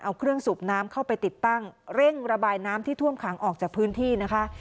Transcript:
เอาเครื่องสูบน้ำเข้าไปติดตั้งเร่งระบายน้ำที่ท่วมขังออกจากพื้นที่นะคะ